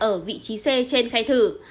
ở vị trí c trên khai thử